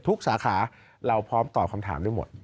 สาขาเราพร้อมตอบคำถามได้หมด